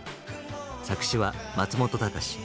作詞は松本隆。